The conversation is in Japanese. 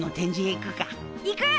行く！